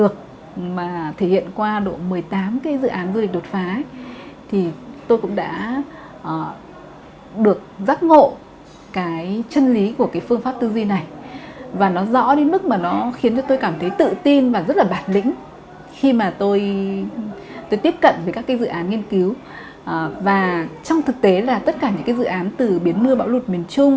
các dự án nghiên cứu và trong thực tế là tất cả những dự án từ biến mưa bão lụt miền trung